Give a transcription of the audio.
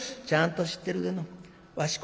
「ちゃんと知ってるでのう。